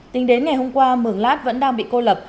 tính đến ngày hôm qua mường lát vẫn đang bị cô lập